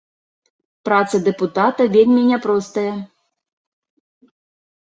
Праца дэпутата вельмі няпростая.